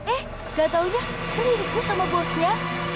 eh gak taunya sering ikut sama bosnya